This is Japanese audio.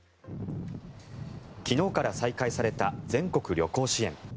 昨日から再開された全国旅行支援。